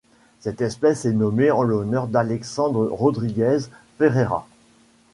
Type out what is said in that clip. Cette espèce est nommée en l'honneur d'Alexandre Rodrigues Ferreira.